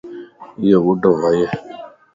ايو ٻڊو بائي ائي.